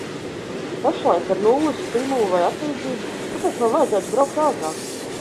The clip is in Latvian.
Pašlaik, ar nulles stimulu vai atlīdzību, kāpēc man vajadzētu braukt ātrāk?